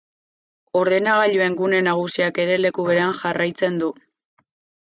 Ordenagailuen gune nagusiak ere leku berean jarraitzen du.